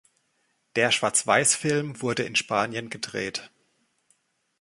Der Schwarzweißfilm wurde in Spanien gedreht.